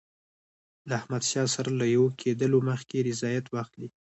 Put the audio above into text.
له احمدشاه سره له یو کېدلو مخکي رضایت واخلي.